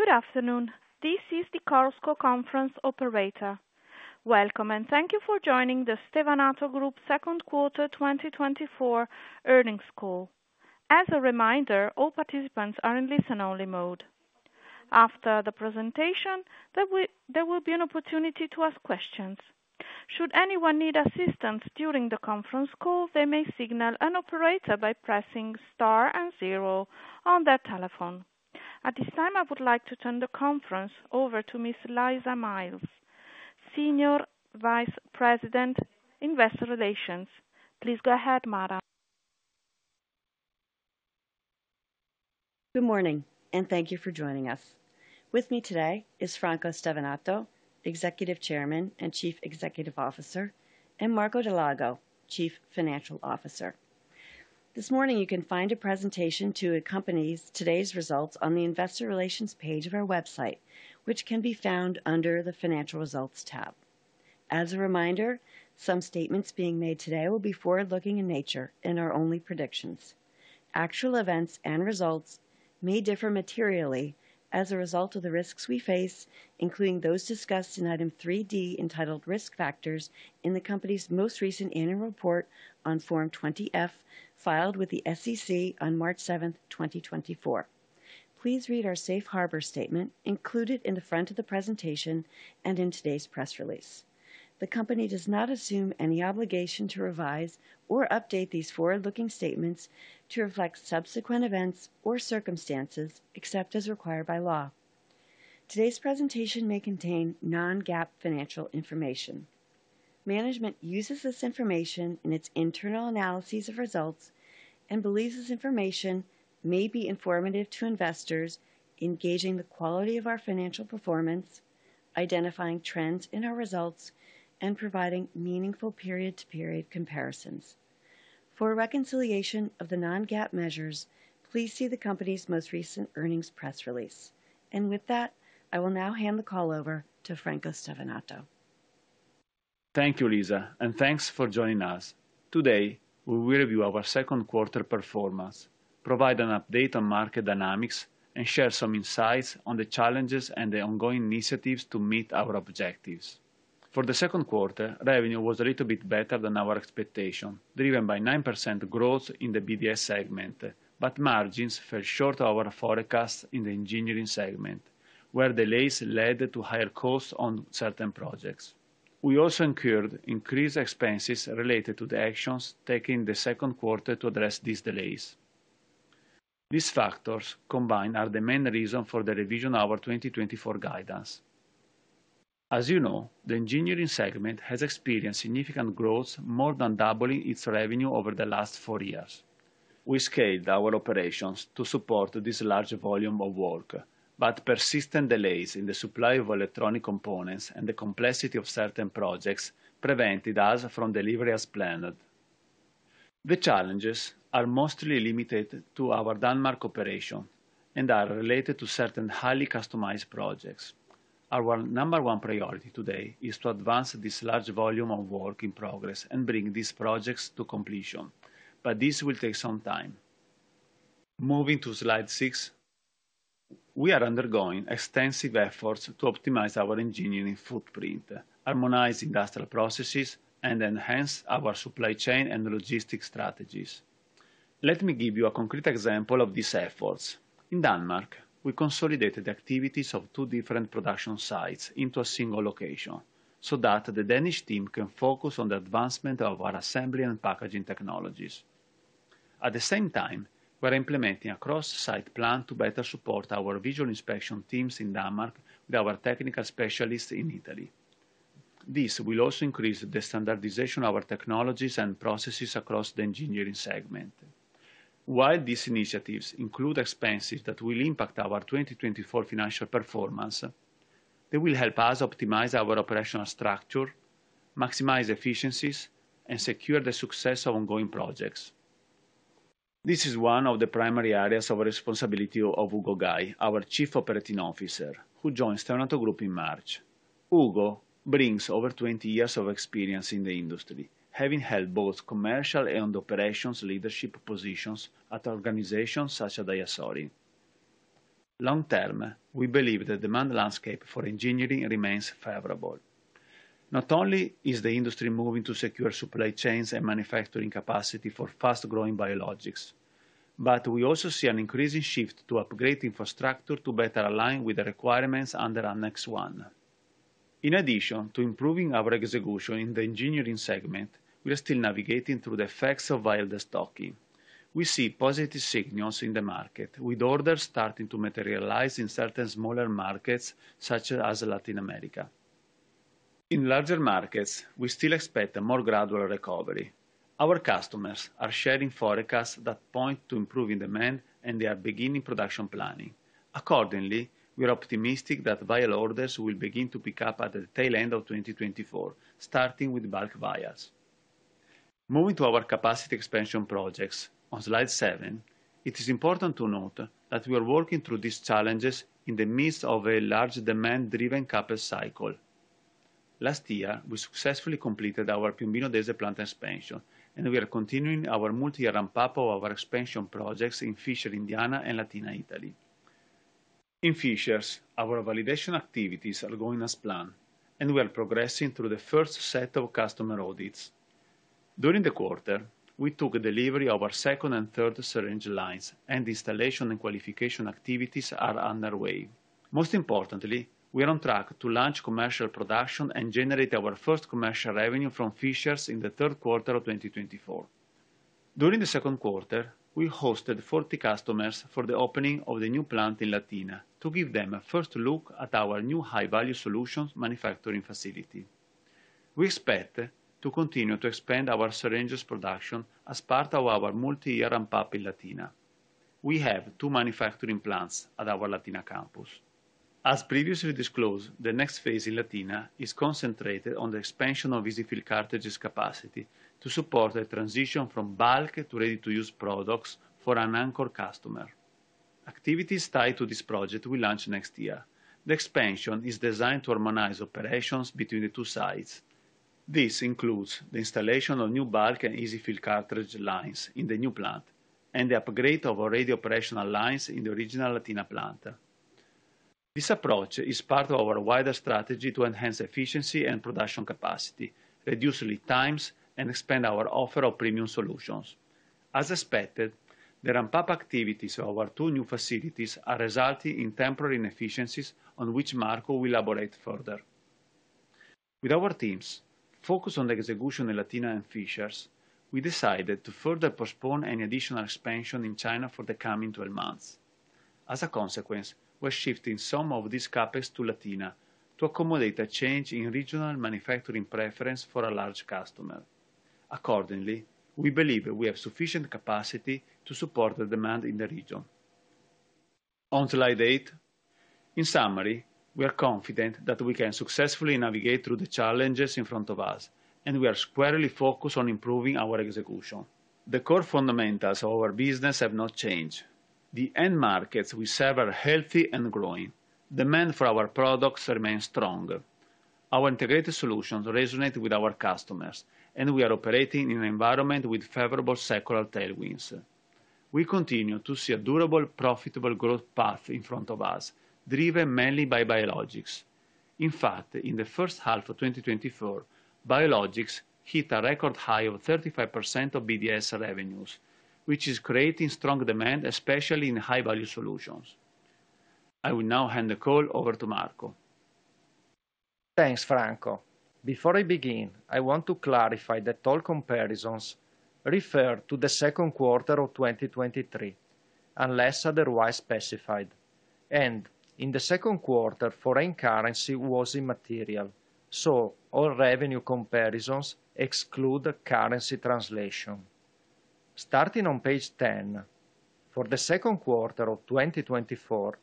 Good afternoon. This is the Chorus Call Conference Operator. Welcome, and thank you for joining the Stevanato Group Second Quarter 2024 Earnings Call. As a reminder, all participants are in listen-only mode. After the presentation, there will be an opportunity to ask questions. Should anyone need assistance during the conference call, they may signal an operator by pressing star and zero on their telephone. At this time, I would like to turn the conference over to Ms. Lisa Miles, Senior Vice President, Investor Relations. Please go ahead, Lisa. Good morning, and thank you for joining us. With me today is Franco Stevanato, Executive Chairman and Chief Executive Officer, and Marco Dal Lago, Chief Financial Officer. This morning, you can find a presentation to accompany today's results on the investor relations page of our website, which can be found under the Financial Results tab. As a reminder, some statements being made today will be forward-looking in nature and are only predictions. Actual events and results may differ materially as a result of the risks we face, including those discussed in Item 3.D, entitled Risk Factors, in the company's most recent annual report on Form 20-F, filed with the SEC on March 7, 2024. Please read our safe harbor statement included in the front of the presentation and in today's press release. The company does not assume any obligation to revise or update these forward-looking statements to reflect subsequent events or circumstances, except as required by law. Today's presentation may contain non-GAAP financial information. Management uses this information in its internal analyses of results and believes this information may be informative to investors in gauging the quality of our financial performance, identifying trends in our results, and providing meaningful period-to-period comparisons. For a reconciliation of the non-GAAP measures, please see the company's most recent earnings press release. With that, I will now hand the call over to Franco Stevanato. Thank you, Lisa, and thanks for joining us. Today, we will review our second quarter performance, provide an update on market dynamics, and share some insights on the challenges and the ongoing initiatives to meet our objectives. For the second quarter, revenue was a little bit better than our expectation, driven by 9% growth in the BDS segment, but margins fell short of our forecast in the engineering segment, where delays led to higher costs on certain projects. We also incurred increased expenses related to the actions taken in the second quarter to address these delays. These factors combined are the main reason for the revision of our 2024 guidance. As you know, the engineering segment has experienced significant growth, more than doubling its revenue over the last four years. We scaled our operations to support this large volume of work, but persistent delays in the supply of electronic components and the complexity of certain projects prevented us from delivery as planned. The challenges are mostly limited to our Denmark operation and are related to certain highly customized projects. Our number one priority today is to advance this large volume of work in progress and bring these projects to completion, but this will take some time. Moving to Slide 6, we are undergoing extensive efforts to optimize our engineering footprint, harmonize industrial processes, and enhance our supply chain and logistics strategies. Let me give you a concrete example of these efforts. In Denmark, we consolidated activities of two different production sites into a single location, so that the Danish team can focus on the advancement of our assembly and packaging technologies. At the same time, we're implementing a cross-site plan to better support our visual inspection teams in Denmark with our technical specialists in Italy. This will also increase the standardization of our technologies and processes across the engineering segment. While these initiatives include expenses that will impact our 2024 financial performance, they will help us optimize our operational structure, maximize efficiencies, and secure the success of ongoing projects. This is one of the primary areas of responsibility of Ugo Gay, our Chief Operating Officer, who joined Stevanato Group in March. Ugo brings over 20 years of experience in the industry, having held both commercial and operations leadership positions at organizations such as DiaSorin. Long term, we believe the demand landscape for engineering remains favorable. Not only is the industry moving to secure supply chains and manufacturing capacity for fast-growing biologics, but we also see an increasing shift to upgrade infrastructure to better align with the requirements under Annex 1. In addition to improving our execution in the Engineering segment, we are still navigating through the effects of vial destocking. We see positive signals in the market, with orders starting to materialize in certain smaller markets such as Latin America. In larger markets, we still expect a more gradual recovery. Our customers are sharing forecasts that point to improving demand, and they are beginning production planning. Accordingly, we are optimistic that vial orders will begin to pick up at the tail end of 2024, starting with bulk vials. Moving to our capacity expansion projects on slide seven, it is important to note that we are working through these challenges in the midst of a large demand-driven capital cycle. Last year, we successfully completed our Piombino Dese plant expansion, and we are continuing our multi-year ramp-up of our expansion projects in Fishers, Indiana, and Latina, Italy. In Fishers, our validation activities are going as planned, and we are progressing through the first set of customer audits. During the quarter, we took delivery of our second and third syringe lines, and installation and qualification activities are underway. Most importantly, we are on track to launch commercial production and generate our first commercial revenue from Fishers in the third quarter of 2024. During the second quarter, we hosted 40 customers for the opening of the new plant in Latina to give them a first look at our new high-value solutions manufacturing facility. We expect to continue to expand our syringes production as part of our multi-year ramp-up in Latina. We have 2 manufacturing plants at our Latina campus. As previously disclosed, the next phase in Latina is concentrated on the expansion of EZ-fill cartridges capacity to support the transition from bulk to ready-to-use products for an anchor customer. Activities tied to this project will launch next year. The expansion is designed to harmonize operations between the two sites. This includes the installation of new bulk and EZ-fill cartridge lines in the new plant and the upgrade of already operational lines in the original Latina plant. This approach is part of our wider strategy to enhance efficiency and production capacity, reduce lead times, and expand our offer of premium solutions. As expected, the ramp-up activities of our two new facilities are resulting in temporary inefficiencies, on which Marco will elaborate further. With our teams focused on the execution in Latina and Fishers, we decided to further postpone any additional expansion in China for the coming twelve months. As a consequence, we are shifting some of this CapEx to Latina to accommodate a change in regional manufacturing preference for a large customer. Accordingly, we believe we have sufficient capacity to support the demand in the region. On slide eight, in summary, we are confident that we can successfully navigate through the challenges in front of us, and we are squarely focused on improving our execution. The core fundamentals of our business have not changed. The end markets we serve are healthy and growing. Demand for our products remains strong. Our integrated solutions resonate with our customers, and we are operating in an environment with favorable secular tailwinds. We continue to see a durable, profitable growth path in front of us, driven mainly by biologics. In fact, in the first half of 2024, biologics hit a record high of 35% of BDS revenues, which is creating strong demand, especially in high-value solutions. I will now hand the call over to Marco. Thanks, Franco. Before I begin, I want to clarify that all comparisons refer to the second quarter of 2023, unless otherwise specified, and in the second quarter, foreign currency was immaterial, so all revenue comparisons exclude currency translation. Starting on page 10, for the second quarter of 2024,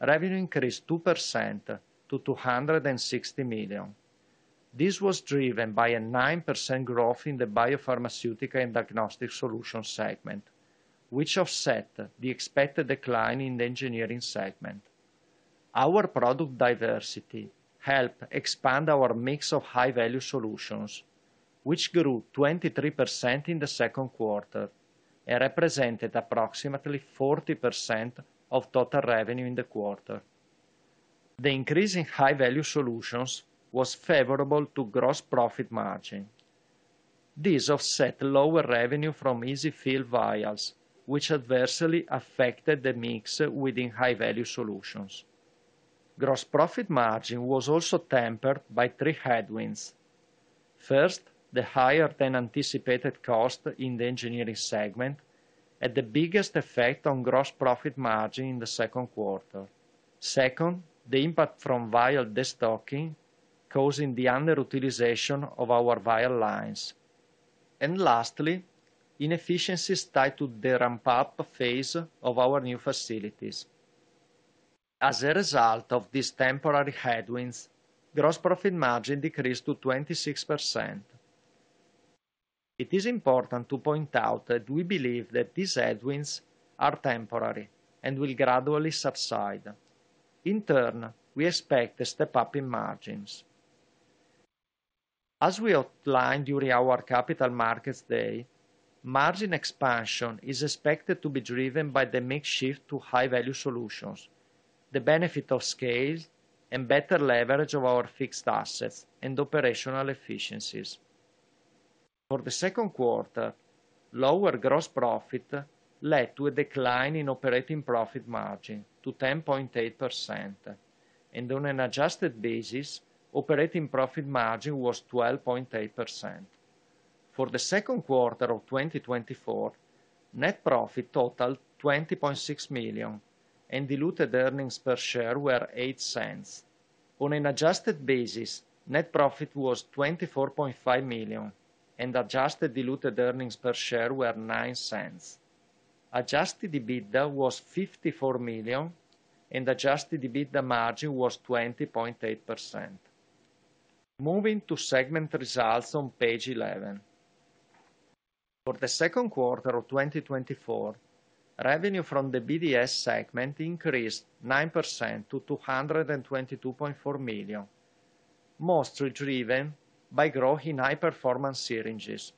revenue increased 2% to 260 million. This was driven by a 9% growth in the biopharmaceutical and diagnostic solutions segment, which offset the expected decline in the engineering segment. Our product diversity helped expand our mix of high-value solutions, which grew 23% in the second quarter and represented approximately 40% of total revenue in the quarter. The increase in high-value solutions was favorable to gross profit margin. This offset lower revenue from EZ-fill vials, which adversely affected the mix within high-value solutions. Gross profit margin was also tempered by three headwinds. First, the higher-than-anticipated cost in the Engineering segment had the biggest effect on gross profit margin in the second quarter. Second, the impact from vial destocking, causing the underutilization of our vial lines, and lastly, inefficiencies tied to the ramp-up phase of our new facilities. As a result of these temporary headwinds, gross profit margin decreased to 26%. It is important to point out that we believe that these headwinds are temporary and will gradually subside. In turn, we expect a step-up in margins. As we outlined during our Capital Markets Day, margin expansion is expected to be driven by the mix shift to High-Value Solutions, the benefit of scale, and better leverage of our fixed assets and operational efficiencies. For the second quarter, lower gross profit led to a decline in operating profit margin to 10.8%, and on an adjusted basis, operating profit margin was 12.8%. For the second quarter of 2024, net profit totaled 20.6 million, and diluted earnings per share were 0.08. On an adjusted basis, net profit was 24.5 million, and adjusted diluted earnings per share were 0.09. Adjusted EBITDA was 54 million, and adjusted EBITDA margin was 20.8%. Moving to segment results on page 11. For the second quarter of 2024, revenue from the BDS segment increased 9% to 222.4 million, mostly driven by growth in high-performance syringes.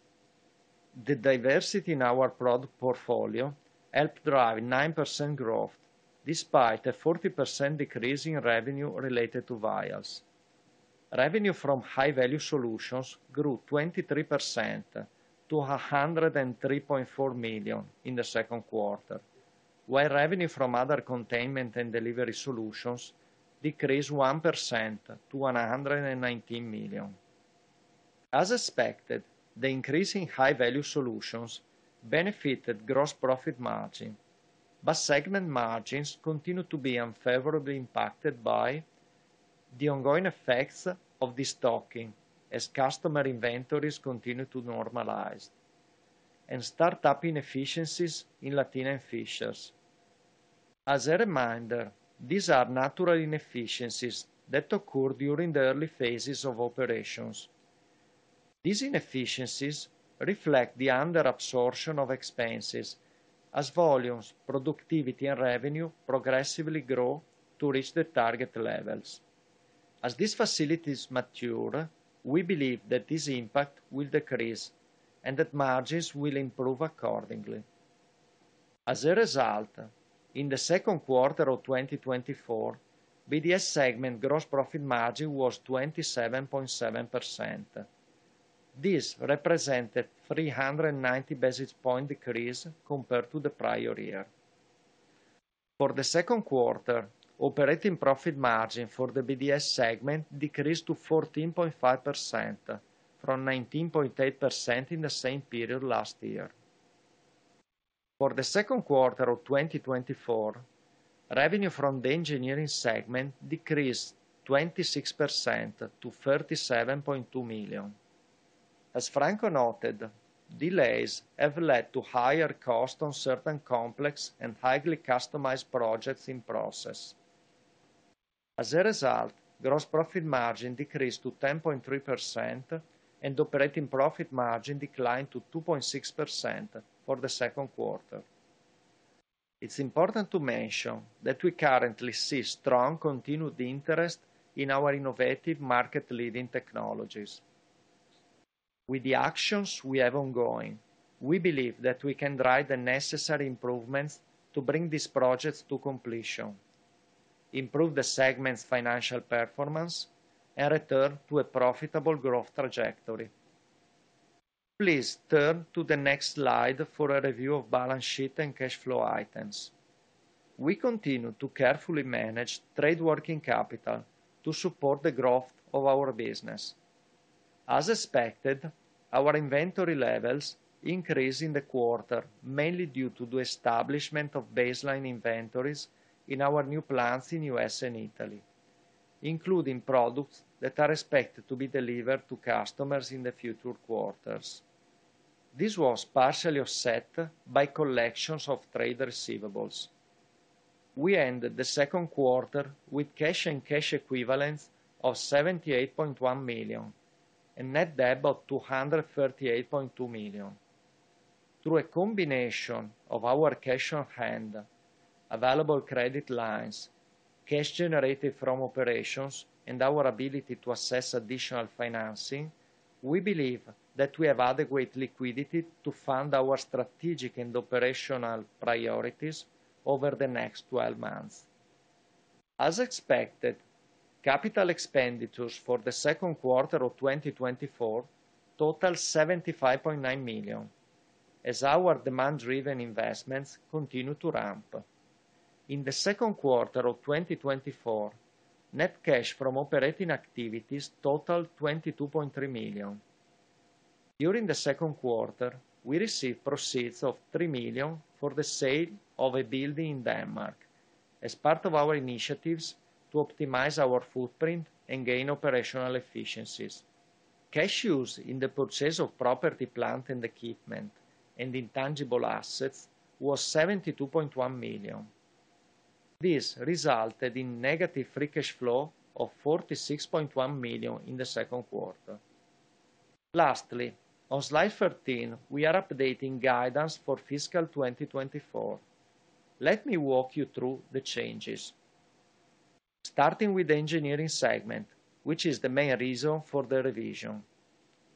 The diversity in our product portfolio helped drive 9% growth, despite a 40% decrease in revenue related to vials. Revenue from high-value solutions grew 23% to 103.4 million in the second quarter, while revenue from other containment and delivery solutions decreased 1% to 119 million. As expected, the increase in high-value solutions benefited gross profit margin, but segment margins continued to be unfavorably impacted by the ongoing effects of destocking as customer inventories continue to normalize, and start-up inefficiencies in Latina and Fishers. As a reminder, these are natural inefficiencies that occur during the early phases of operations. These inefficiencies reflect the under-absorption of expenses as volumes, productivity, and revenue progressively grow to reach the target levels. As these facilities mature, we believe that this impact will decrease and that margins will improve accordingly. As a result, in the second quarter of 2024, BDS segment gross profit margin was 27.7%. This represented a 390 basis points decrease compared to the prior year. For the second quarter, operating profit margin for the BDS segment decreased to 14.5% from 19.8% in the same period last year. For the second quarter of 2024, revenue from the engineering segment decreased 26% to 37.2 million. As Franco noted, delays have led to higher costs on certain complex and highly customized projects in process. As a result, gross profit margin decreased to 10.3%, and operating profit margin declined to 2.6% for the second quarter. It's important to mention that we currently see strong, continued interest in our innovative, market-leading technologies. With the actions we have ongoing, we believe that we can drive the necessary improvements to bring these projects to completion, improve the segment's financial performance, and return to a profitable growth trajectory. Please turn to the next slide for a review of balance sheet and cash flow items. We continue to carefully manage trade working capital to support the growth of our business. As expected, our inventory levels increased in the quarter, mainly due to the establishment of baseline inventories in our new plants in US and Italy, including products that are expected to be delivered to customers in the future quarters. This was partially offset by collections of trade receivables. We ended the second quarter with cash and cash equivalents of 78.1 million and net debt of 238.2 million. Through a combination of our cash on hand, available credit lines, cash generated from operations, and our ability to access additional financing, we believe that we have adequate liquidity to fund our strategic and operational priorities over the next 12 months. As expected, capital expenditures for the second quarter of 2024 totaled 75.9 million, as our demand-driven investments continued to ramp. In the second quarter of 2024, net cash from operating activities totaled 22.3 million. During the second quarter, we received proceeds of 3 million for the sale of a building in Denmark as part of our initiatives to optimize our footprint and gain operational efficiencies. Cash used in the purchase of property, plant, and equipment, and intangible assets was 72.1 million. This resulted in negative free cash flow of 46.1 million in the second quarter. Lastly, on slide 13, we are updating guidance for fiscal 2024. Let me walk you through the changes. Starting with the engineering segment, which is the main reason for the revision,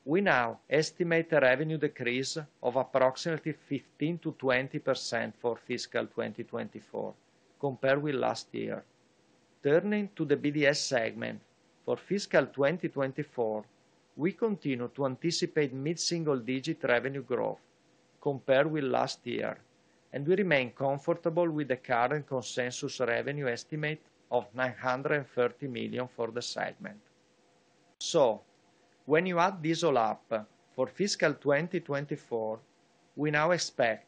we now estimate a revenue decrease of approximately 15%-20% for fiscal 2024 compared with last year. Turning to the BDS segment, for fiscal 2024, we continue to anticipate mid-single-digit revenue growth compared with last year, and we remain comfortable with the current consensus revenue estimate of 930 million for the segment. So when you add this all up, for fiscal 2024, we now expect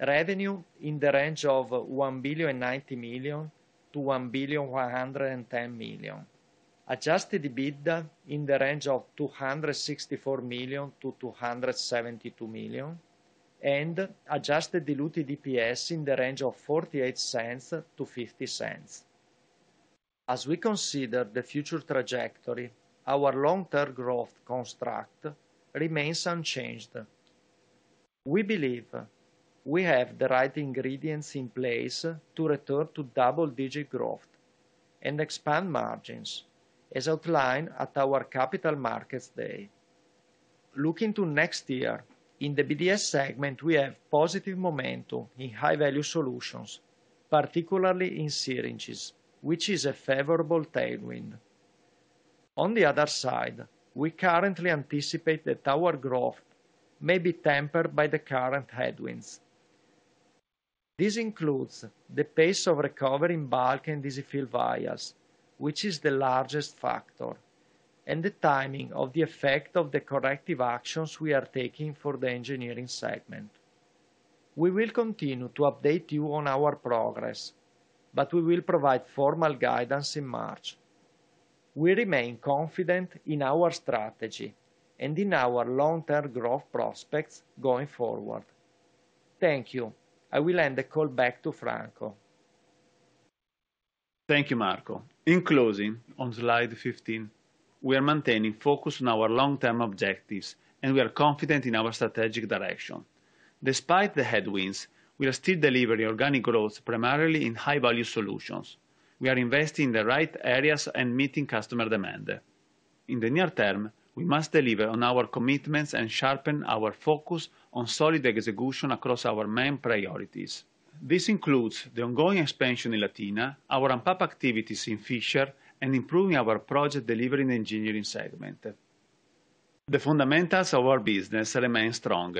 revenue in the range of 1.09 billion-1.11 billion, adjusted EBITDA in the range of 264 million-272 million, and adjusted diluted EPS in the range of 0.48-0.50. As we consider the future trajectory, our long-term growth construct remains unchanged. We believe we have the right ingredients in place to return to double-digit growth and expand margins, as outlined at our Capital Markets Day. Looking to next year, in the BDS segment, we have positive momentum in high-value solutions, particularly in syringes, which is a favorable tailwind. On the other side, we currently anticipate that our growth may be tempered by the current headwinds. This includes the pace of recovery in bulk and EZ-fill vials, which is the largest factor, and the timing of the effect of the corrective actions we are taking for the engineering segment. We will continue to update you on our progress, but we will provide formal guidance in March. We remain confident in our strategy and in our long-term growth prospects going forward. Thank you. I will hand the call back to Franco. Thank you, Marco. In closing, on slide 15, we are maintaining focus on our long-term objectives, and we are confident in our strategic direction. Despite the headwinds, we are still delivering organic growth, primarily in High-Value Solutions. We are investing in the right areas and meeting customer demand. In the near term, we must deliver on our commitments and sharpen our focus on solid execution across our main priorities. This includes the ongoing expansion in Latina, our ramp-up activities in Fishers, and improving our project delivery in Engineering segment. The fundamentals of our business remain strong.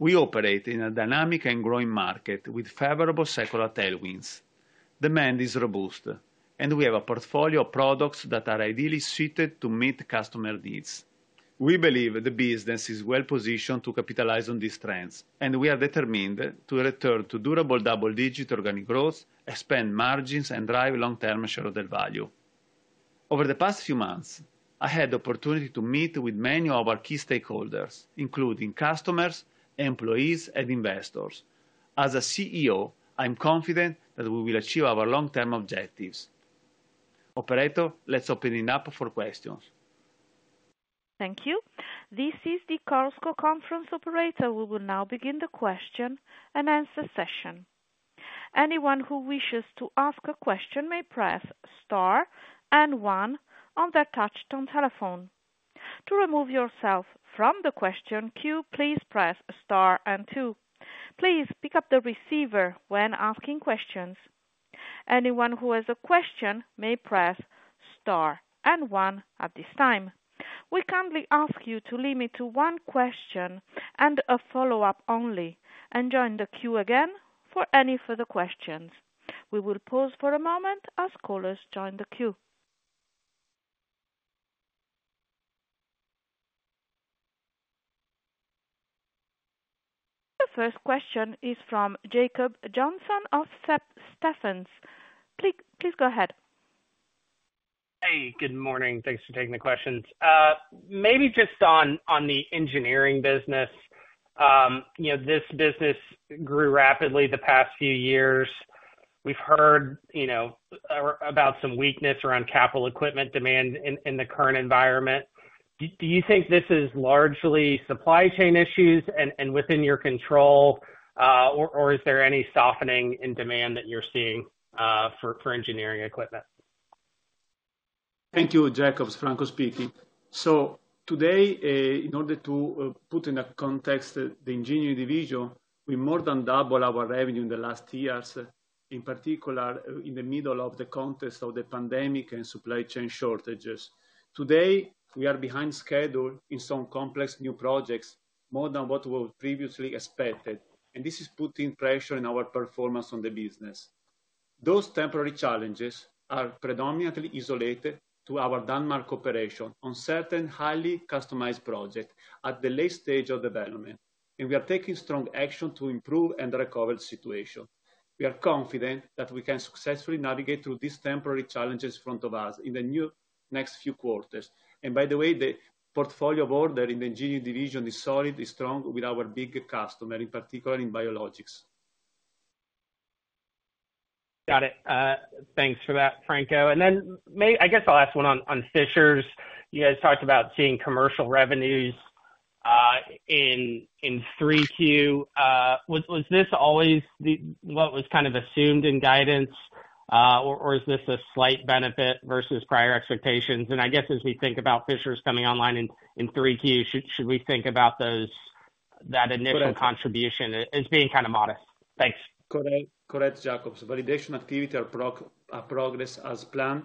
We operate in a dynamic and growing market with favorable secular tailwinds. Demand is robust, and we have a portfolio of products that are ideally suited to meet customer needs. We believe the business is well positioned to capitalize on these trends, and we are determined to return to durable double-digit organic growth, expand margins, and drive long-term shareholder value. Over the past few months, I had the opportunity to meet with many of our key stakeholders, including customers, employees, and investors. As a CEO, I'm confident that we will achieve our long-term objectives. Operator, let's open it up for questions. Thank you. This is the Chorus Call conference operator. We will now begin the question-and-answer session. Anyone who wishes to ask a question may press star and one on their touch-tone telephone. To remove yourself from the question queue, please press star and two. Please pick up the receiver when asking questions. Anyone who has a question may press star and one at this time. We kindly ask you to limit to one question and a follow-up only, and join the queue again for any further questions. We will pause for a moment as callers join the queue. The first question is from Jacob Johnson of Stephens. Please, please, go ahead. Hey, good morning. Thanks for taking the questions. Maybe just on the engineering business. You know, this business grew rapidly the past few years. We've heard, you know, about some weakness around capital equipment demand in the current environment. Do you think this is largely supply chain issues and within your control, or is there any softening in demand that you're seeing for engineering equipment? Thank you, Jacob. Franco speaking. So today, in order to put in a context the engineering division, we more than double our revenue in the last two years, in particular, in the middle of the context of the pandemic and supply chain shortages. Today, we are behind schedule in some complex new projects, more than what were previously expected, and this is putting pressure on our performance on the business. Those temporary challenges are predominantly isolated to our Denmark operation on certain highly customized projects at the late stage of development, and we are taking strong action to improve and recover the situation. We are confident that we can successfully navigate through these temporary challenges in front of us in the new next few quarters. By the way, the portfolio of order in the engineering division is solid, is strong with our big customer, in particular in biologics. Got it. Thanks for that, Franco. And then I guess I'll ask one on Fishers. You guys talked about seeing commercial revenues in 3Q. Was this always what was kind of assumed in guidance or is this a slight benefit versus prior expectations? And I guess as we think about Fishers coming online in 3Q, should we think about that initial contribution as being kind of modest? Thanks. Correct. Correct, Jacob. Validation activities are progressing as planned.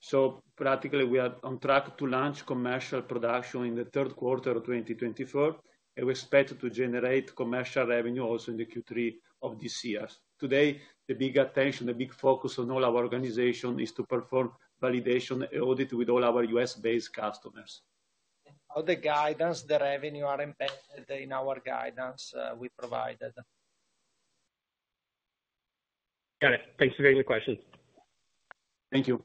So practically, we are on track to launch commercial production in the third quarter of 2024, and we expect to generate commercial revenue also in the Q3 of this year. Today, the big attention, the big focus on all our organization is to perform validation audits with all our U.S.-based customers. All the guidance, the revenue, are embedded in our guidance we provided. Got it. Thanks for taking the question. Thank you.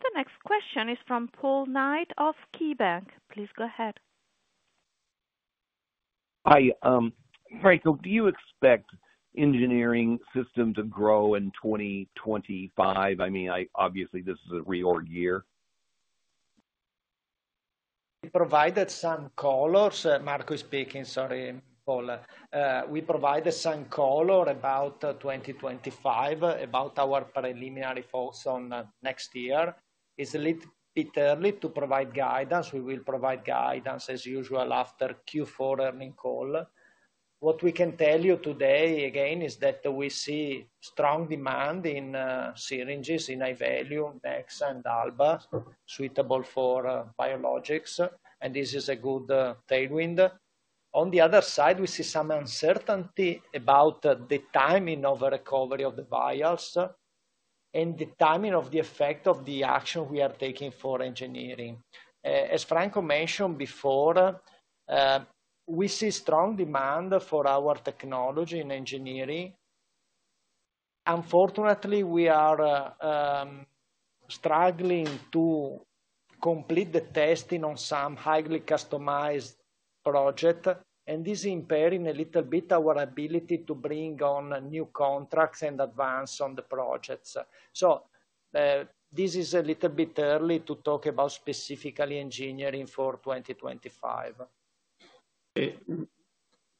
The next question is from Paul Knight of KeyBank. Please go ahead. I, Franco, do you expect engineering systems to grow in 2025? I mean, obviously, this is a reorg year. We provided some colors. Marco speaking, sorry, Paul. We provided some color about 2025, about our preliminary thoughts on next year. It's a little bit early to provide guidance. We will provide guidance as usual after Q4 earning call. What we can tell you today, again, is that we see strong demand in syringes in high-value, Nexa, and Alba, suitable for biologics, and this is a good tailwind. On the other side, we see some uncertainty about the timing of a recovery of the vials and the timing of the effect of the action we are taking for engineering. As Franco mentioned before, we see strong demand for our technology in engineering. Unfortunately, we are struggling to complete the testing on some highly customized project, and this impairing a little bit our ability to bring on new contracts and advance on the projects. So, this is a little bit early to talk about specifically engineering for 2025.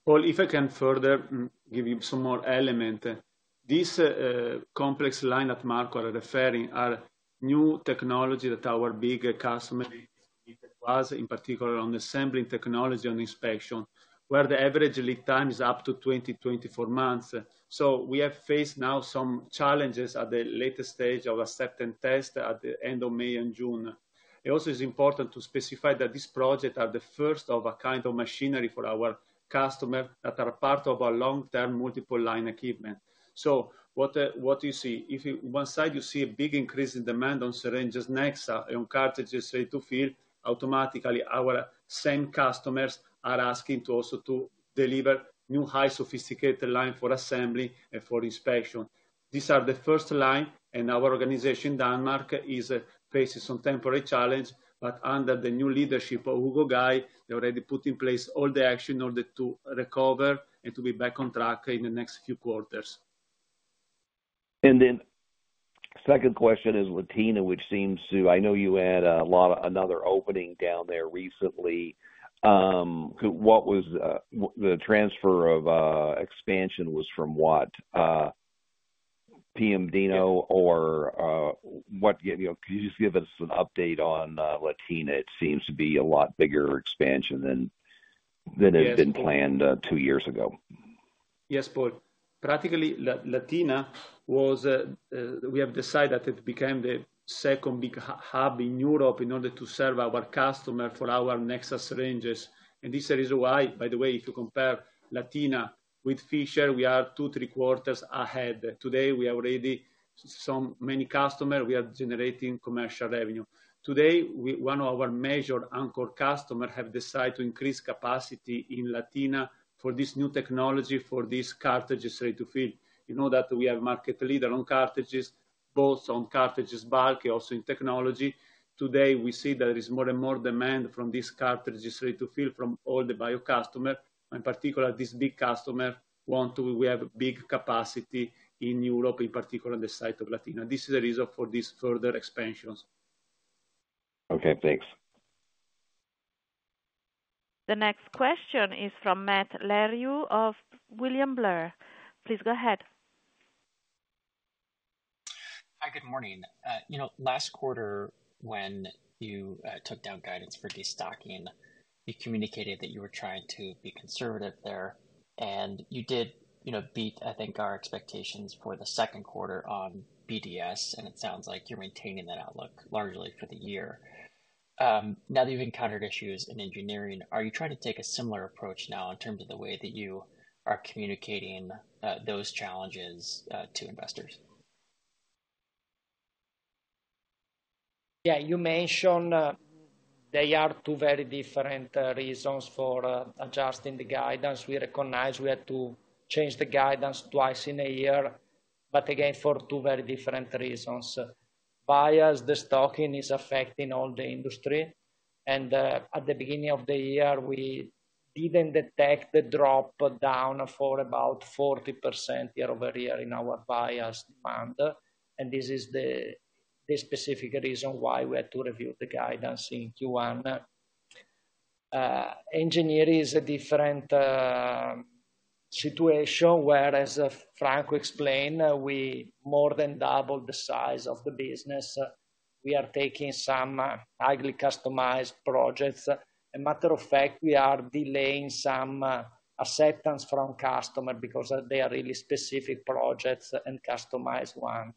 Paul, if I can further give you some more element. This complex line that Marco are referring are new technology that our bigger customer was, in particular, on the assembly technology and inspection, where the average lead time is up to 20-24 months. So we have faced now some challenges at the latest stage of a certain test at the end of May and June. It also is important to specify that this project are the first of a kind of machinery for our customer, that are part of our long-term multiple line achievement. So what you see, on one side, you see a big increase in demand on syringes, Nexa, on cartridges, EZ-fill, automatically, our same customers are asking to also to deliver new, high, sophisticated line for assembly and for inspection. These are the first line, and our organization, Denmark, is facing some temporary challenge, but under the new leadership of Ugo Gay, they already put in place all the action in order to recover and to be back on track in the next few quarters. And then second question is Latina, which seems to I know you had a lot of another opening down there recently. Who, what was the transfer of expansion was from what? Piombino Dese, or what, you know, can you just give us an update on Latina? It seems to be a lot bigger expansion than had been- Yes. -planned, two years ago. Yes, Paul. Practically, Latina was, we have decided that it became the second big hub in Europe in order to serve our customer for our Nexa ranges. And this is the reason why, by the way, if you compare Latina with Fishers, we are 2, 3 quarters ahead. Today, we have already some many customer, we are generating commercial revenue. Today, we one of our major anchor customer have decided to increase capacity in Latina for this new technology, for this cartridges ready to fill. You know that we are market leader on cartridges, both on cartridges, bulk, also in technology. Today, we see there is more and more demand from this cartridges ready to fill from all the bio customer, and particular, this big customer want to we have a big capacity in Europe, in particular, on the site of Latina. This is the reason for these further expansions. Okay, thanks. The next question is from Matt Larew of William Blair. Please go ahead. Hi, good morning. You know, last quarter, when you took down guidance for destocking, you communicated that you were trying to be conservative there, and you did, you know, beat, I think, our expectations for the second quarter on BDS, and it sounds like you're maintaining that outlook largely for the year. Now that you've encountered issues in engineering, are you trying to take a similar approach now in terms of the way that you are communicating those challenges to investors? Yeah, you mentioned, they are two very different reasons for adjusting the guidance. We recognize we had to change the guidance twice in a year, but again, for two very different reasons. BDS destocking is affecting all the industry, and at the beginning of the year, we didn't detect the drop down for about 40% year-over-year in our BDS demand, and this is the specific reason why we had to review the guidance in Q1. Engineering is a different situation, whereas Franco explained, we more than doubled the size of the business. We are taking some highly customized projects. A matter of fact, we are delaying some acceptance from customer because they are really specific projects and customized one.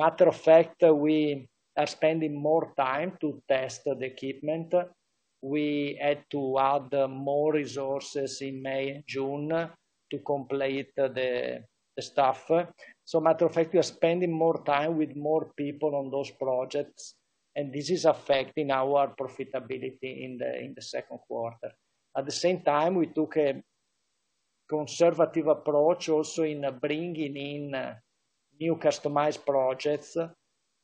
Matter of fact, we are spending more time to test the equipment. We had to add more resources in May and June to complete the staff. So matter of fact, we are spending more time with more people on those projects, and this is affecting our profitability in the second quarter. At the same time, we took a conservative approach also in bringing in new customized projects,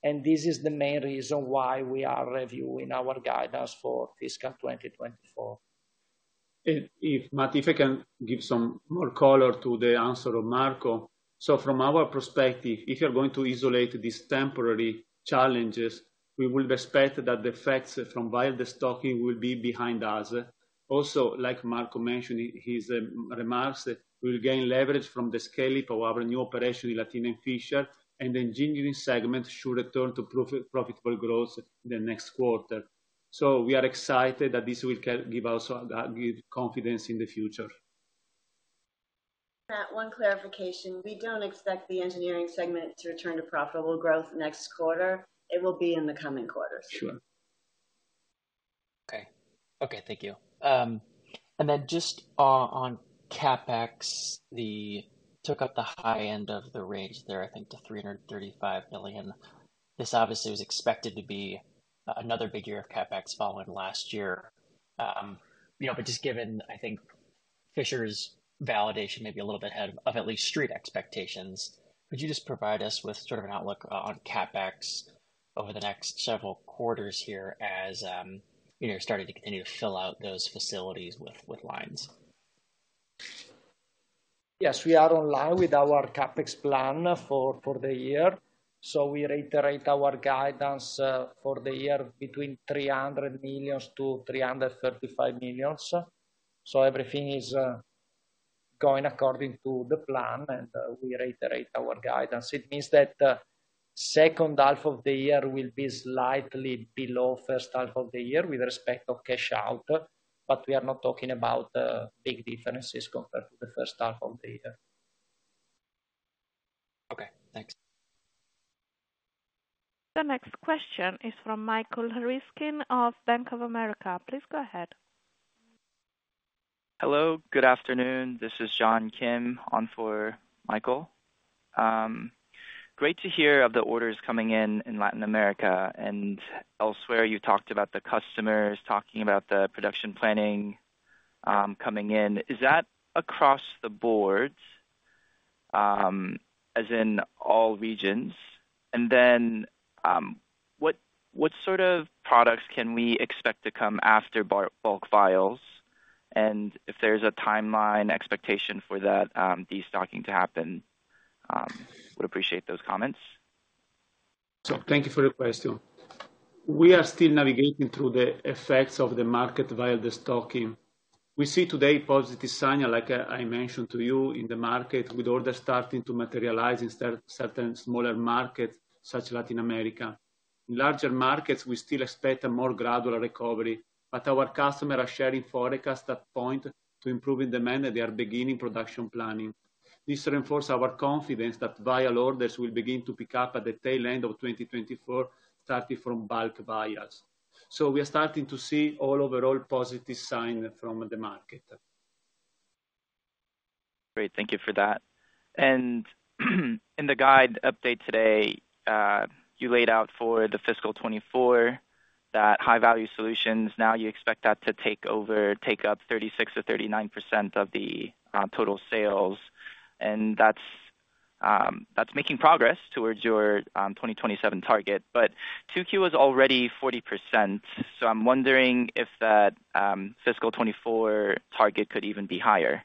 and this is the main reason why we are reviewing our guidance for fiscal 2024. And if, Matt, if I can give some more color to the answer of Marco. So from our perspective, if you're going to isolate these temporary challenges, we will expect that the effects from vial destocking will be behind us. Also, like Marco mentioned in his remarks, we'll gain leverage from the scaling of our new operation in Latin America and Fishers, and the engineering segment should return to profitable growth in the next quarter. So we are excited that this will give us good confidence in the future. Matt, one clarification. We don't expect the engineering segment to return to profitable growth next quarter. It will be in the coming quarters. Sure. Okay. Okay, thank you. And then just, on CapEx, the-- took up the high end of the range there, I think, to 335 million. This obviously was expected to be, another big year of CapEx following last year. You know, but just given, I think, Fishers validation may be a little bit ahead of, of at least Street expectations, could you just provide us with sort of an outlook on CapEx over the next several quarters here as, you know, starting to continue to fill out those facilities with, with lines? Yes, we are on line with our CapEx plan for the year. So we reiterate our guidance for the year between 300 million to 335 million. So everything is going according to the plan, and we reiterate our guidance. It means that second half of the year will be slightly below first half of the year with respect of cash out, but we are not talking about big differences compared to the first half of the year. Okay, thanks. The next question is from Michael Ryskin of Bank of America. Please go ahead. Hello, good afternoon. This is John Kim, on for Michael. Great to hear of the orders coming in in Latin America and elsewhere. You talked about the customers talking about the production planning coming in. Is that across the boards, as in all regions? And then, what sort of products can we expect to come after bulk vials? And if there's a timeline expectation for that destocking to happen, would appreciate those comments. So thank you for your question. We are still navigating through the effects of the market destocking. We see today positive signal, like I mentioned to you, in the market, with orders starting to materialize in certain smaller markets such as Latin America. In larger markets, we still expect a more gradual recovery, but our customers are sharing forecasts that point to improving demand, and they are beginning production planning. This reinforce our confidence that vial orders will begin to pick up at the tail end of 2024, starting from bulk vials. So we are starting to see an overall positive sign from the market. Great. Thank you for that. In the guide update today, you laid out for the fiscal 2024, that High-Value Solutions, now you expect that to take up 36%-39% of the total sales, and that's making progress towards your 2027 target. But 2Q is already 40%, so I'm wondering if that fiscal 2024 target could even be higher.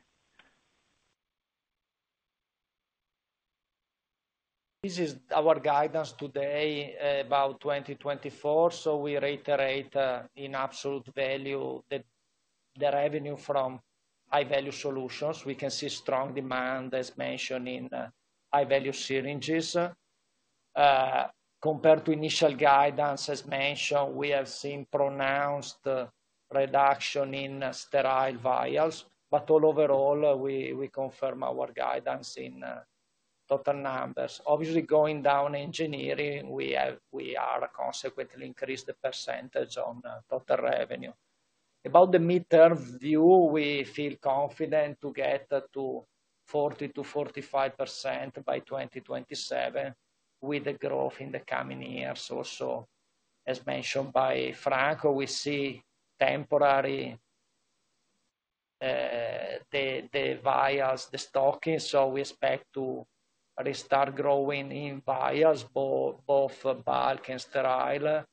This is our guidance today about 2024, so we reiterate in absolute value that the revenue from high-value solutions, we can see strong demand, as mentioned, in high-value syringes. Compared to initial guidance, as mentioned, we have seen pronounced reduction in sterile vials, but all overall, we confirm our guidance in total numbers. Obviously, going down engineering, we are consequently increased the percentage on total revenue. About the midterm view, we feel confident to get to 40%-45% by 2027, with the growth in the coming years. Also, as mentioned by Franco, we see temporary the vials, the stocking, so we expect to restart growing in vials, both bulk and sterile.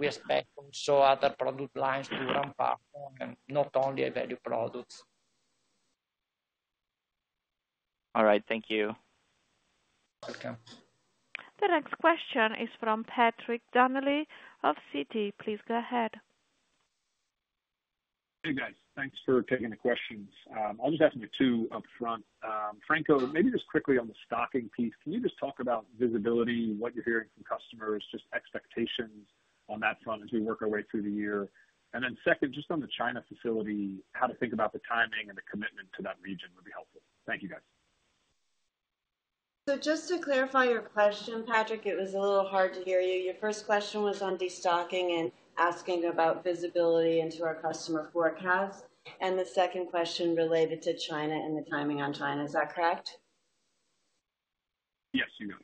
We expect also other product lines to ramp up, not only value products. All right. Thank you. Welcome. The next question is from Patrick Donnelly of Citi. Please go ahead. Hey, guys. Thanks for taking the questions. I'll just ask you two upfront. Franco, maybe just quickly on the destocking piece, can you just talk about visibility, what you're hearing from customers, just expectations on that front as we work our way through the year? And then second, just on the China facility, how to think about the timing and the commitment to that region would be helpful. Thank you, guys. So just to clarify your question, Patrick, it was a little hard to hear you. Your first question was on destocking and asking about visibility into our customer forecast, and the second question related to China and the timing on China. Is that correct? Yes, you know.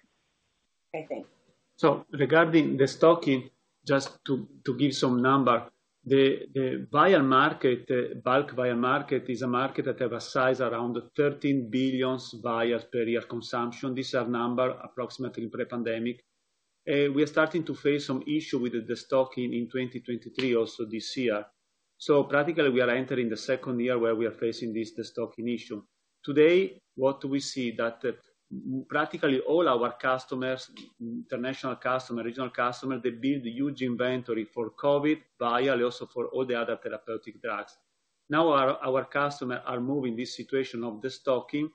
Okay, thanks. So regarding the stocking, just to give some number, the vial market, bulk vial market is a market that have a size around 13 billion vials per year consumption. These are numbers approximately pre-pandemic. We are starting to face some issue with the destocking in 2023, also this year. So practically, we are entering the second year where we are facing this destocking issue. Today, what do we see? That practically all our customers, international customer, regional customer, they build a huge inventory for COVID vials, also for all the other therapeutic drugs. Now, our customer are moving this situation of destocking.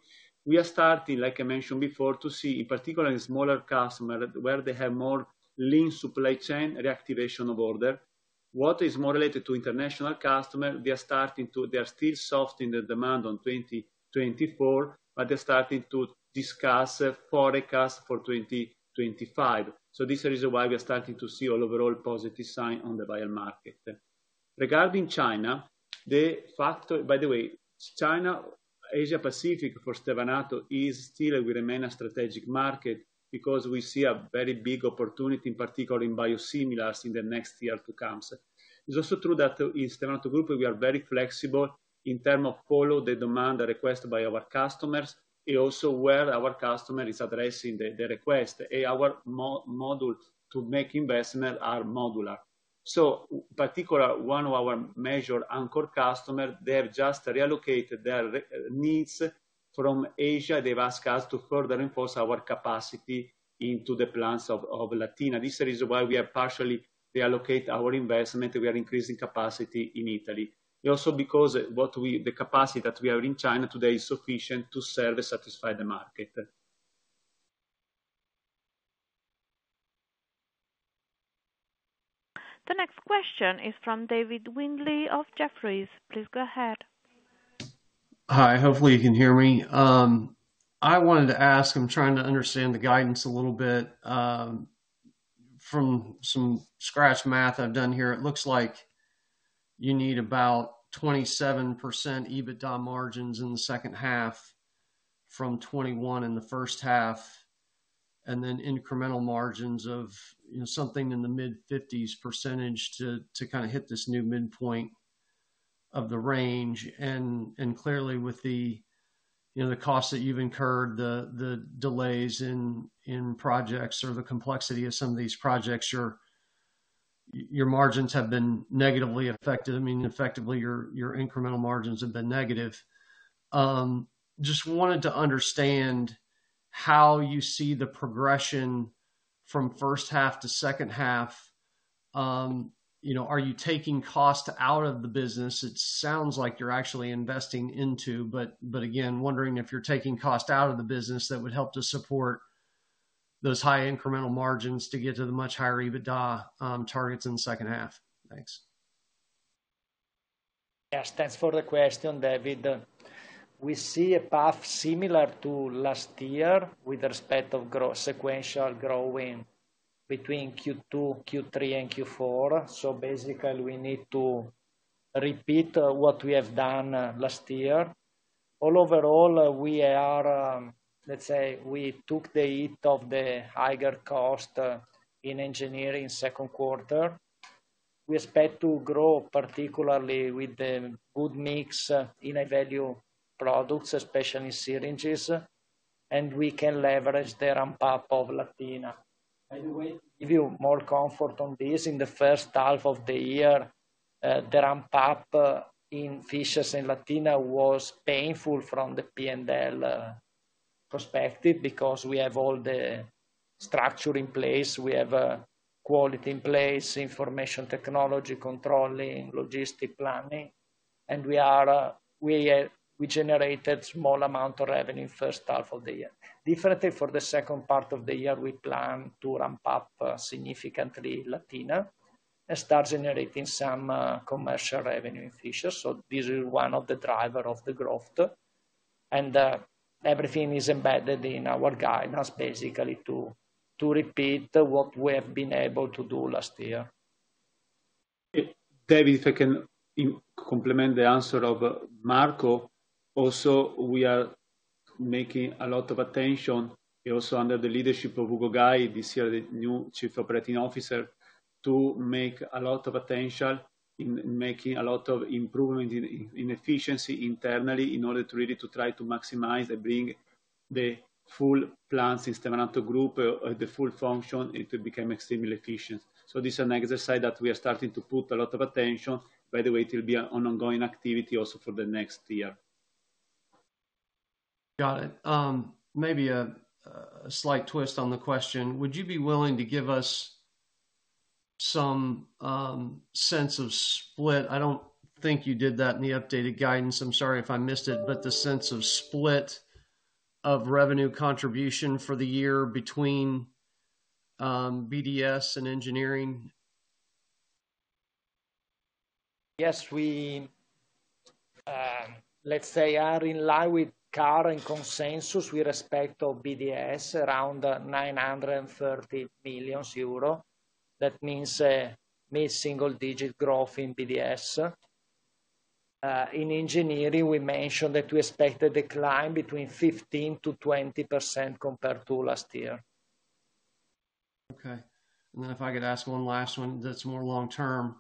We are starting, like I mentioned before, to see, particularly in smaller customer, where they have more lean supply chain reactivation of order. What is more related to international customer, they are starting to they are still soft in the demand on 2024, but they're starting to discuss forecast for 2025. So this is the reason why we are starting to see all overall positive sign on the vial market. Regarding China, the factor. By the way, China, Asia Pacific for Stevanato is still will remain a strategic market because we see a very big opportunity, particularly in biosimilars, in the next year to come. It's also true that in Stevanato Group, we are very flexible in term of follow the demand, the request by our customers, and also where our customer is addressing the request, and our model to make investment are modular. So particular, one of our major anchor customer, they have just reallocated their needs from Asia. They've asked us to further enforce our capacity into the plants of Latina. This is the reason why we are partially reallocate our investment, we are increasing capacity in Italy. And also because what we, the capacity that we have in China today is sufficient to serve and satisfy the market. The next question is from David Windley of Jefferies. Please go ahead. Hi, hopefully you can hear me. I wanted to ask, I'm trying to understand the guidance a little bit. From some scratch math I've done here, it looks like you need about 27% EBITDA margins in the second half from 21 in the first half, and then incremental margins of, you know, something in the mid-50s% to kind of hit this new midpoint of the range. And clearly with the, you know, the costs that you've incurred, the delays in projects or the complexity of some of these projects, your margins have been negatively affected. I mean, effectively, your incremental margins have been negative. Just wanted to understand how you see the progression from first half to second half. You know, are you taking costs out of the business? It sounds like you're actually investing into, but, but again, wondering if you're taking cost out of the business that would help to support those high incremental margins to get to the much higher EBITDA targets in the second half. Thanks. Yes, thanks for the question, David. We see a path similar to last year with respect to growth sequential growth between Q2, Q3, and Q4. So basically, we need to repeat what we have done last year. Overall, let's say, we took the hit of the higher costs in Engineering second quarter. We expect to grow, particularly with the good mix in value products, especially syringes, and we can leverage the ramp-up in Latina. By the way, to give you more comfort on this, in the first half of the year, the ramp-up in Fishers and Latina was painful from the P&L perspective, because we have all the structure in place, we have quality in place, information technology, controlling, logistics planning, and we generated a small amount of revenue first half of the year. Definitely, for the second part of the year, we plan to ramp up, significantly Latina and start generating some, commercial revenue in Fishers. So this is one of the driver of the growth, and, everything is embedded in our guidance, basically, to, to repeat what we have been able to do last year. David, if I can complement the answer of Marco. Also, we are making a lot of attention, and also under the leadership of Ugo Gay, this year, the new Chief Operating Officer, to make a lot of attention in making a lot of improvement in efficiency internally, in order to really to try to maximize and bring the full plant system around the group, the full function, it will become extremely efficient. So this is an exercise that we are starting to put a lot of attention. By the way, it will be an ongoing activity also for the next year. Got it. Maybe a slight twist on the question: Would you be willing to give us some sense of split? I don't think you did that in the updated guidance. I'm sorry if I missed it, but the sense of split of revenue contribution for the year between BDS and engineering. Yes, we, let's say, are in line with current consensus with respect of BDS, around 930 million euro. That means, mid-single digit growth in BDS. In engineering, we mentioned that we expect a decline between 15%-20% compared to last year. Okay. And then if I could ask one last one that's more long term.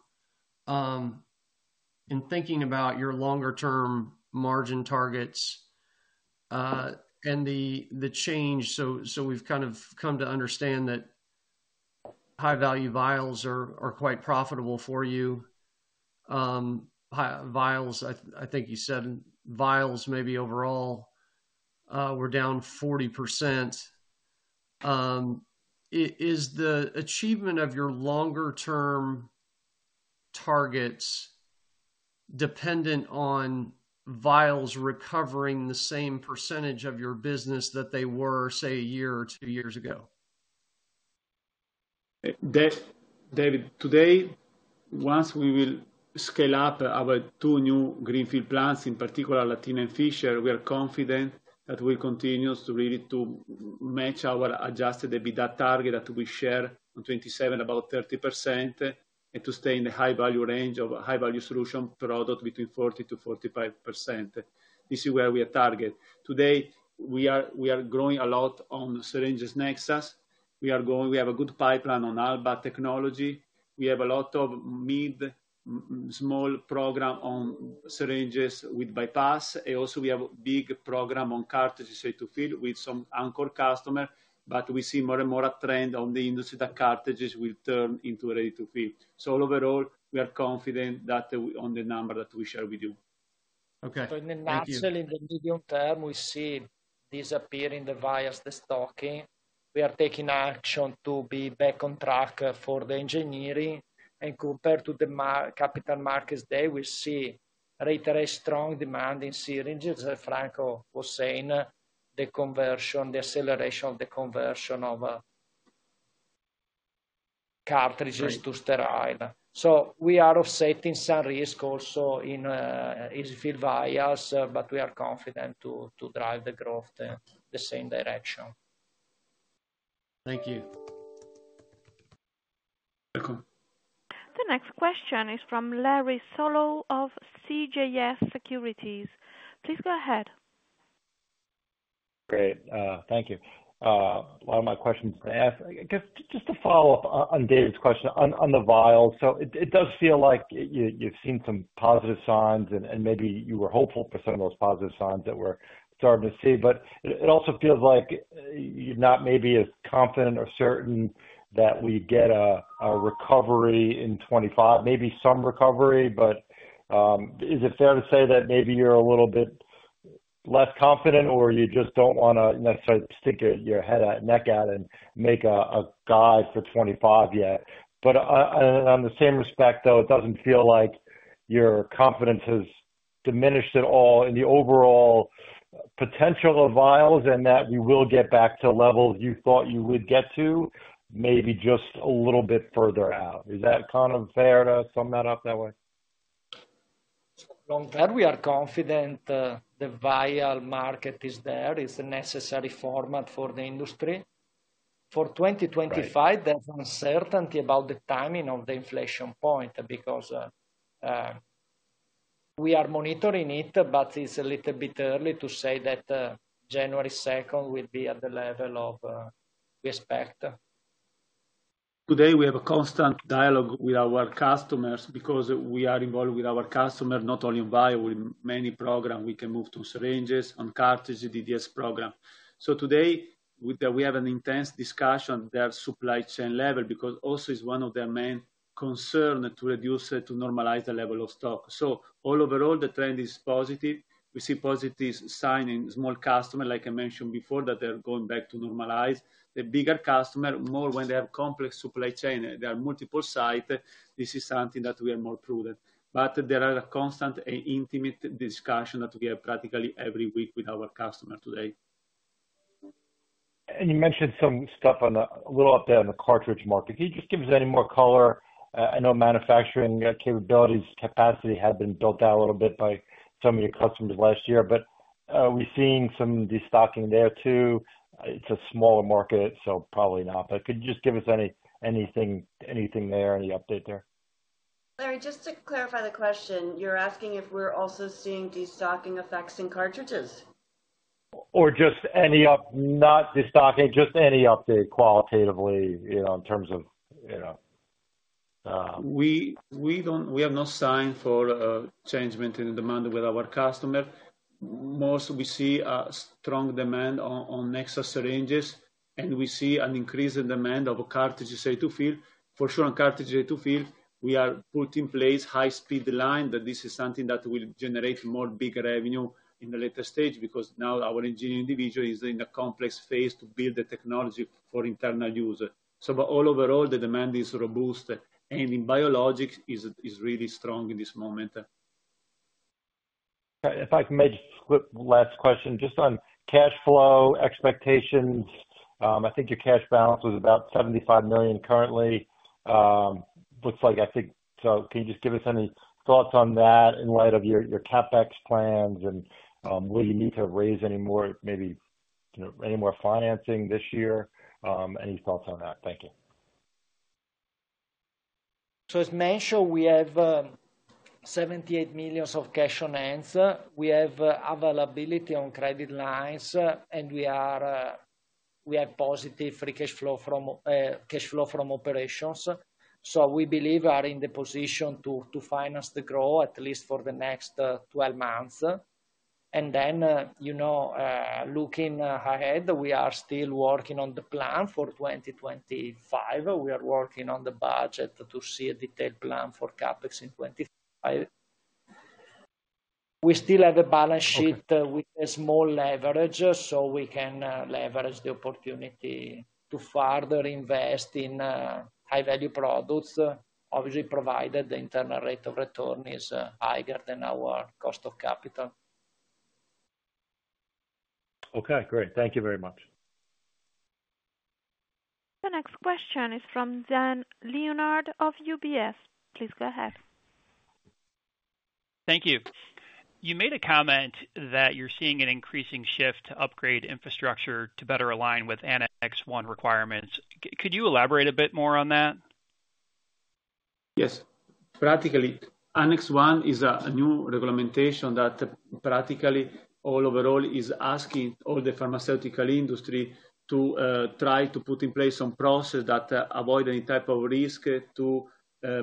In thinking about your longer term margin targets, and the change, so we've kind of come to understand that high value vials are quite profitable for you. High vials, I think you said vials maybe overall were down 40%. Is the achievement of your longer term targets dependent on vials recovering the same percentage of your business that they were, say, a year or two years ago? David, today, once we will scale up our two new greenfield plants, in particular, Latina and Fishers, we are confident that we'll continue to really to match our adjusted EBITDA target that we share on 2027, about 30%, and to stay in the high value range of high value solution product between 40%-45%. This is where we are target. Today, we are growing a lot on syringes Nexa. We are growing. We have a good pipeline on Alba technology. We have a lot of mid, small program on syringes with bypass. Also, we have a big program on cartridges say, to fill with some anchor customer, but we see more and more a trend on the industry that cartridges will turn into a ready-to-fill. So overall, we are confident that, on the number that we share with you. Okay. Thank you. So, actually, in the medium term, we see disappearing the bias, the destocking. We are taking action to be back on track for the engineering, and compared to the capital markets, they will see reiterate strong demand in syringes, as Franco was saying, the conversion, the acceleration of the conversion of cartridges to sterile. So we are offsetting some risk also in fill vials, but we are confident to drive the growth the same direction. Thank you. Welcome. The next question is from Larry Solow of CJS Securities. Please go ahead. Great, thank you. A lot of my questions have just to follow up on David's question on the vials. So it does feel like you've seen some positive signs and maybe you were hopeful for some of those positive signs that we're starting to see, but it also feels like you're not maybe as confident or certain that we'd get a recovery in 2025, maybe some recovery. But is it fair to say that maybe you're a little bit less confident, or you just don't want to necessarily stick your head out, neck out and make a guide for 2025 yet? On the same respect, though, it doesn't feel like your confidence has diminished at all in the overall potential of vials, and that you will get back to levels you thought you would get to, maybe just a little bit further out. Is that kind of fair to sum that up that way? So on that, we are confident, the vial market is there. It's a necessary format for the industry. For 2025- Right. There's uncertainty about the timing of the inflection point, because we are monitoring it, but it's a little bit early to say that January second will be at the level of we expect. Today, we have a constant dialogue with our customers because we are involved with our customers, not only in bio, in many programs, we can move to syringes, on cartridges, DDS program. So today, with that, we have an intense discussion, their supply chain level, because also is one of their main concern to reduce, to normalize the level of stock. So all overall, the trend is positive. We see positive sign in small customer, like I mentioned before, that they're going back to normalize. The bigger customer, more when they have complex supply chain, there are multiple site, this is something that we are more prudent. But there are a constant and intimate discussion that we have practically every week with our customer today. And you mentioned some stuff on the... a little update on the cartridge market. Can you just give us any more color? I know manufacturing capabilities, capacity had been built out a little bit by some of your customers last year, but are we seeing some destocking there, too? It's a smaller market, so probably not. But could you just give us anything, anything there, any update there? Larry, just to clarify the question, you're asking if we're also seeing destocking effects in cartridges? Or just any update. Not destocking, just any update qualitatively, you know, in terms of, you know. We don't have no sign for change in demand with our customer. Most, we see a strong demand on Nexa syringes, and we see an increase in demand ofcartridges ready-to-fill. For sure, on cartridge to fill, we are put in place high-speed line, that this is something that will generate more big revenue in the later stage, because now our engineering division is in a complex phase to build the technology for internal user. But all overall, the demand is robust, and in biologics is really strong in this moment. If I may just quick last question, just on cash flow expectations. I think your cash balance was about 75 million currently. Looks like I think... So can you just give us any thoughts on that in light of your, your CapEx plans and, will you need to raise any more, maybe, you know, any more financing this year? Any thoughts on that? Thank you. So as mentioned, we have 78 million of cash on hand. We have availability on credit lines, and we are, we have positive free cash flow from cash flow from operations. So we believe we are in the position to finance the growth, at least for the next 12 months. And then, you know, looking ahead, we are still working on the plan for 2025. We are working on the budget to see a detailed plan for CapEx in 2025. We still have a balance sheet with a small leverage, so we can leverage the opportunity to further invest in high-value products, obviously, provided the internal rate of return is higher than our cost of capital. Okay, great. Thank you very much. The next question is from Dan Leonard of UBS. Please go ahead. Thank you. You made a comment that you're seeing an increasing shift to upgrade infrastructure to better align with Annex 1 requirements. Could you elaborate a bit more on that? Yes. Practically, Annex 1 is a new regulation that practically, all overall, is asking all the pharmaceutical industry to try to put in place some processes that avoid any type of risk to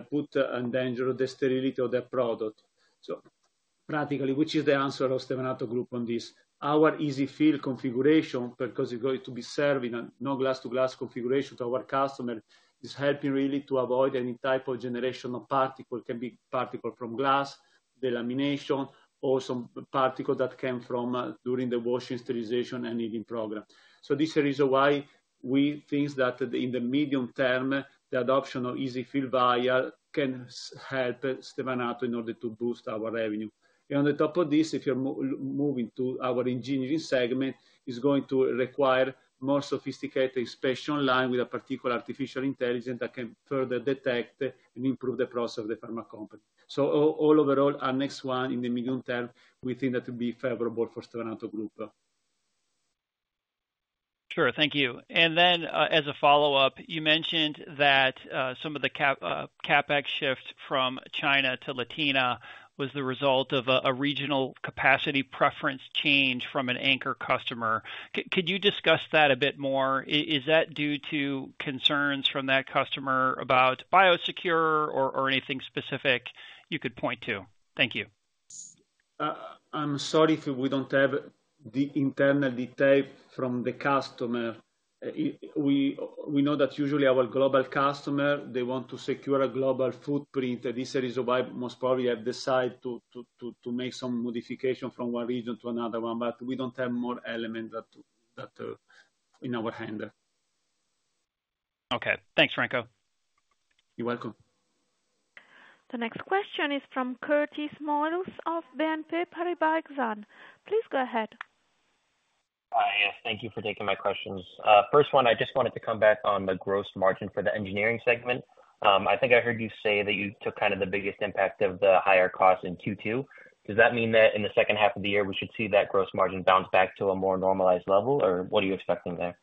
put in danger the sterility of their product. So practically, which is the answer of Stevanato Group on this? Our EZ-fill configuration, because it's going to be serving a no glass-to-glass configuration to our customer, is helping really to avoid any type of generation of particle. It can be particle from glass, delamination, or some particle that came from during the washing, sterilization, and heating program. So this is the reason why we think that in the medium term, the adoption of EZ-fill vial can help Stevanato in order to boost our revenue. On top of this, if you're moving to our engineering segment, is going to require more sophisticated, special line with a particular artificial intelligence that can further detect and improve the process of the pharma company. Overall, Annex 1 in the medium term, we think that will be favorable for Stevanato Group. Sure. Thank you. And then, as a follow-up, you mentioned that some of the CapEx shift from China to Latina was the result of a regional capacity preference change from an anchor customer. Could you discuss that a bit more? Is that due to concerns from that customer about Biosecure or anything specific you could point to? Thank you. I'm sorry if we don't have the internal detail from the customer. We know that usually our global customer, they want to secure a global footprint, and this is why most probably have decided to make some modification from one region to another one, but we don't have more element that in our hand. Okay. Thanks, Franco. You're welcome. The next question is from Curtis Moiles of BNP Paribas Exane. Please go ahead. Hi, thank you for taking my questions. First one, I just wanted to come back on the gross margin for the Engineering segment. I think I heard you say that you took kind of the biggest impact of the higher cost in Q2. Does that mean that in the second half of the year, we should see that gross margin bounce back to a more normalized level, or what are you expecting there?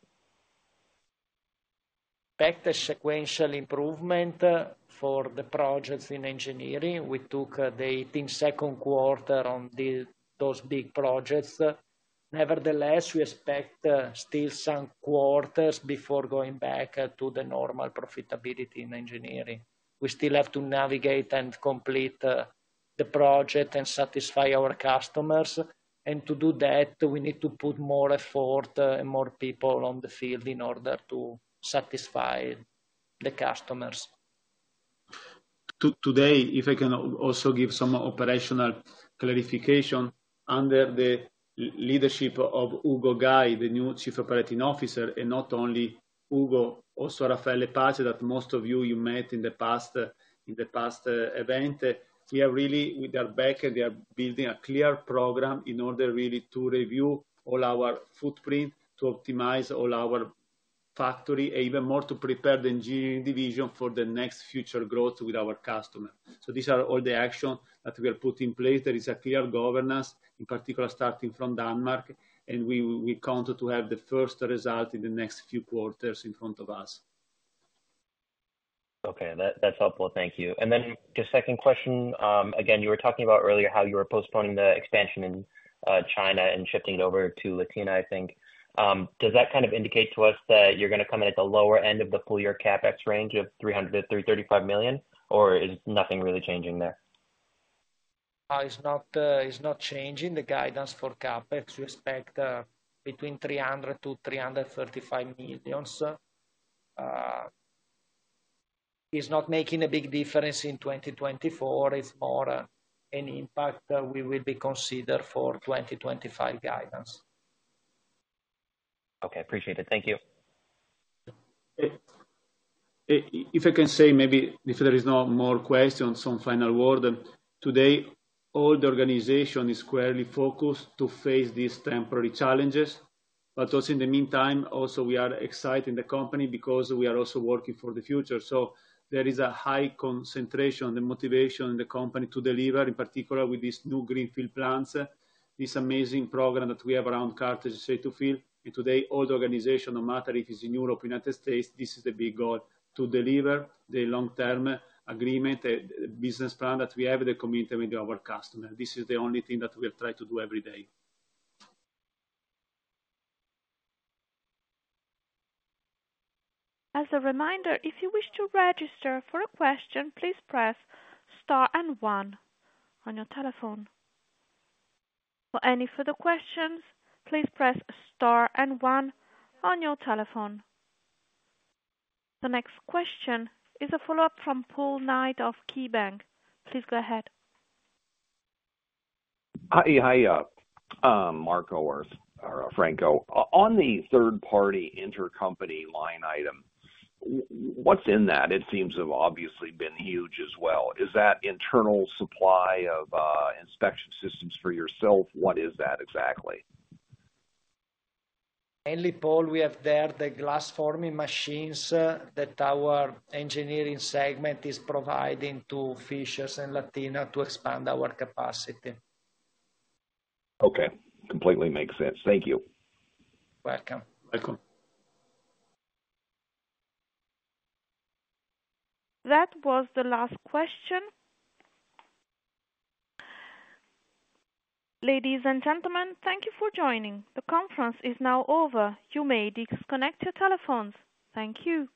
Back to sequential improvement for the projects in engineering, we took the hit in the second quarter on those big projects. Nevertheless, we expect still some quarters before going back to the normal profitability in engineering. We still have to navigate and complete the project and satisfy our customers. And to do that, we need to put more effort and more people on the field in order to satisfy the customers. Today, if I can also give some operational clarification, under the leadership of Ugo Gay, the new Chief Operating Officer, and not only Ugo, also Raffaele Pace, that most of you met in the past event. We are really... With our backlog, we are building a clear program in order really to review all our footprint, to optimize all our factory, even more to prepare the engineering division for the next future growth with our customer. So these are all the action that we have put in place. There is a clear governance, in particular, starting from Denmark, and we count to have the first result in the next few quarters in front of us. Okay, that's helpful. Thank you. And then just second question, again, you were talking about earlier how you were postponing the expansion in China and shifting it over to Latina, I think. Does that kind of indicate to us that you're going to come in at the lower end of the full-year CapEx range of 300-335 million, or is nothing really changing there? It's not, it's not changing. The guidance for CapEx, we expect, between 300 million and EUR 335 million. It's not making a big difference in 2024. It's more, an impact that we will be considered for 2025 guidance. Okay. Appreciate it. Thank you. If I can say maybe, if there is no more questions, some final word. Today, all the organization is squarely focused to face these temporary challenges, but also in the meantime, also, we are exciting the company because we are also working for the future. So there is a high concentration and motivation in the company to deliver, in particular with these new greenfield plans, this amazing program that we have around cartridge, safety shield And today, all the organization, no matter if it's in Europe, United States, this is the big goal: to deliver the long-term agreement, business plan that we have with the community, with our customer. This is the only thing that we have tried to do every day. As a reminder, if you wish to register for a question, please press star and one on your telephone. For any further questions, please press star and one on your telephone. The next question is a follow-up from Paul Knight of KeyBank. Please go ahead. Hi, Marco or Franco. On the third-party intercompany line item, what's in that? It seems to have obviously been huge as well. Is that internal supply of inspection systems for yourself? What is that exactly? Mainly, Paul, we have there the glass forming machines that our Engineering segment is providing to Fishers and Latina to expand our capacity. Okay. Completely makes sense. Thank you. Welcome. Welcome. That was the last question. Ladies and gentlemen, thank you for joining. The conference is now over. You may disconnect your telephones. Thank you.